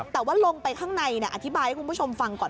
แต่ว่าลงไปข้างในเนี่ยอธิบายให้คุณผู้ชมฟังนะครับ